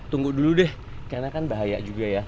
tunggu dulu deh karena kan bahaya juga ya